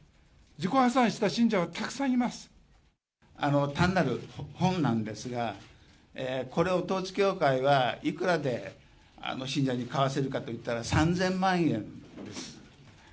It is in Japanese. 自己破産した信者はたくさんいま単なる本なんですが、これを統一教会はいくらで信者に買わせるかといったら、３０００万円です。